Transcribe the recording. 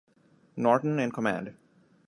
Norton in command.